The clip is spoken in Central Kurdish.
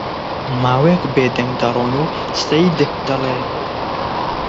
ماوەیەک بێ دەنگ دەڕۆن و سەید دەڵێ: